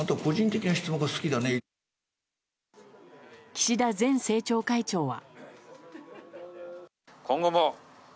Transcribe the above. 岸田前政調会長は。